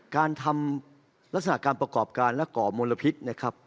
การทำลักษณะการประกอบการและก่อมลพิษนะครับ